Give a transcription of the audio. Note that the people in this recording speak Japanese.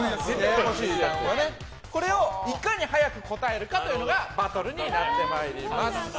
これをいかに早く答えるかがバトルになってまいります。